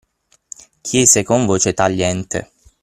chiese con voce tagliente.